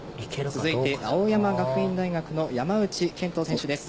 続いて、青山学院大学の山内健登選手です。